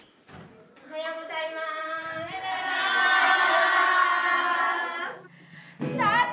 おはようございまーす。